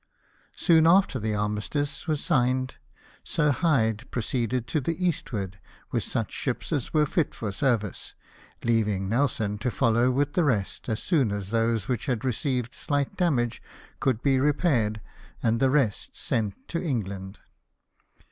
Soon after the armistice was signed. Sir Hyde pro ceeded to the eastward, with such ships as were fit for service, leaving Nelson to follow with the rest, as soon as those which had received slight damages should be repaired, and the rest sent to England.